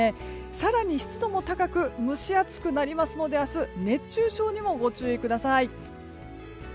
更に湿度も高く蒸し暑くなりますので明日、熱中症にもご注意ください。